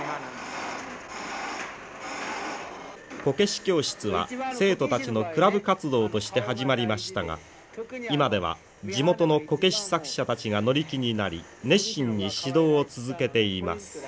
こけし教室は生徒たちのクラブ活動として始まりましたが今では地元のこけし作者たちが乗り気になり熱心に指導を続けています。